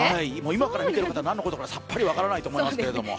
今から見ている方は何のことかさっぱり分からないと思いますけど。